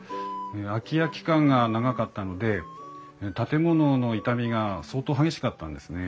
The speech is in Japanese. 空き家期間が長かったので建物の傷みが相当激しかったんですね。